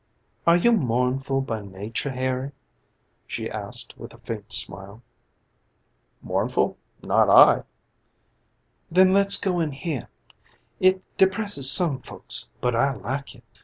"Are you mournful by nature, Harry?" she asked with a faint smile. "Mournful? Not I." "Then let's go in here. It depresses some folks, but I like it."